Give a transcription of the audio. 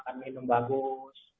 makan minum bagus